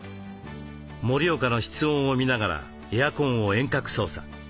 盛岡の室温を見ながらエアコンを遠隔操作。